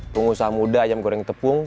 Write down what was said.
pengusaha muda ayam goreng tepung